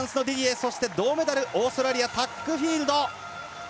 そして銅メダルオーストラリアタックフィールド。